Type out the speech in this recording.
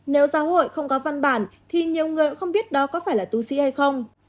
nếu giáo hội không có văn bản thì nhiều người không biết đó có phải là tu sĩ hay không